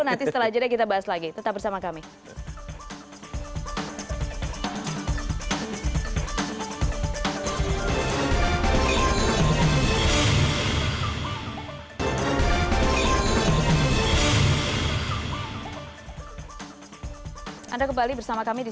nanti setelah jeda kita bahas lagi tetap bersama kami di